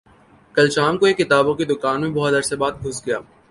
کل شام کو ایک کتابوں کی دکان میں بہت عرصے بعد گھس گیا